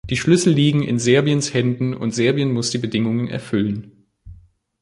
Die Schlüssel liegen in Serbiens Händen, und Serbien muss die Bedingungen erfüllen.